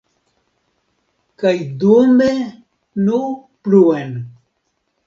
Kaj dume, nu pluen!